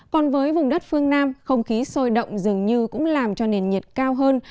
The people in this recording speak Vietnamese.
còn với vùng đất phương nam không khí sôi động dường như cũng làm cho nền nhiệt cao hơn